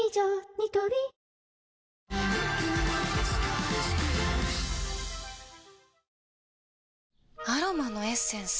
ニトリアロマのエッセンス？